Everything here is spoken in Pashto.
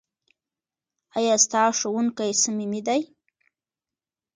ایا ستا ښوونکی صمیمي دی؟